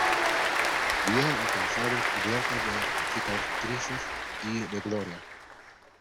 viejo y cansado, cubierto de cicatrices y de gloria